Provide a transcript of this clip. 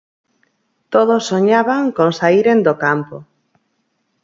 Todos soñaban con saíren do campo.